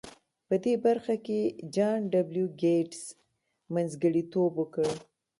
په دې برخه کې جان ډبلیو ګیټس منځګړیتوب وکړ